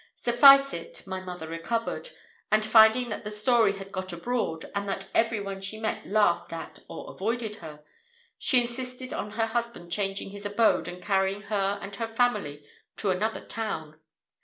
Suffice it, my mother recovered, and finding that the story had got abroad, and that every one she met laughed at or avoided her, she insisted on her husband changing his abode and carrying her and her family to another town.